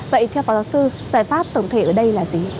vậy theo phó giáo sư giải pháp tổng thể ở đây là gì